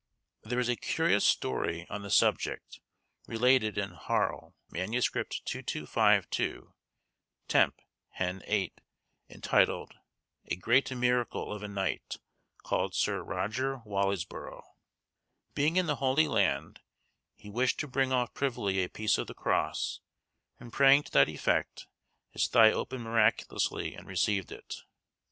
There is a curious story on the subject, related in Harl. MS. 2252 (temp. Hen. 8), entitled, "A grete myracle of a knyghte, callyde Syr Roger Wallysborow." Being in the Holy Land, he wished to bring off privily a piece of the cross, and praying to that effect, his thigh opened miraculously, and received it.